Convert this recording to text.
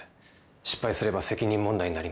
失敗すれば責任問題になります。